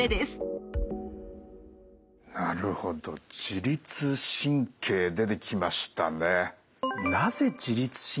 なるほど自律神経出てきましたね。